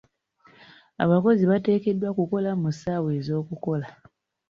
Abakozi bateekeddwa kukola mu ssaawa ez'okukola.